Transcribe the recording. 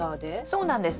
そうなんです。